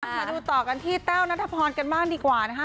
มาดูต่อกันที่แต้วนัทพรกันบ้างดีกว่านะคะ